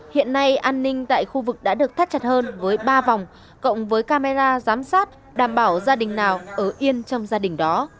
hiện nay an ninh tại khu vực đã được thắt chặt hơn với ba vòng cộng với camera giám sát đảm bảo gia đình nào ở yên trong gia đình đó